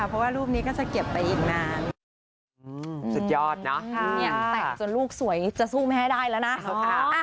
เพราะว่ารูปนี้ก็จะเก็บไปอีกนานสุดยอดนะแต่งจนลูกสวยจะสู้แม่ได้แล้วนะ